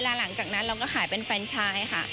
แล้วหลังจากนั้นเราก็ขายเป็นแฟนชายค่ะ